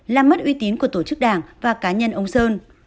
làm mất uy tín của tổ chức đảng và cá nhân ông sơn